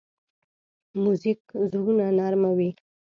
موزیک زړونه نرمه وي.